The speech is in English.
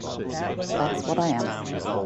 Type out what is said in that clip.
That's what I am.